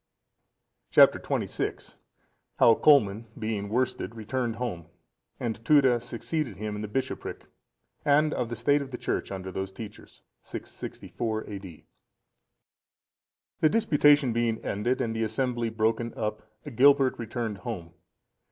Chap. XXVI. How Colman, being worsted, returned home; and Tuda succeeded him in the bishopric; and of the state of the church under those teachers. [664 A.D.] The disputation being ended, and the assembly broken up, Agilbert returned home.